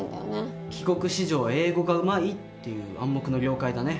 帰国子女は英語がうまいっていう「暗黙の了解」だね。